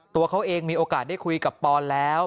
ตัวเขาเองมีโอกาสได้คุยกับปอนแล้ว